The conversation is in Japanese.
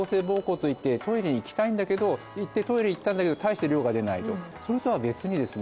膀胱といってトイレに行きたいんだけどトイレ行ったんだけど大して量が出ないとそれとは別にですね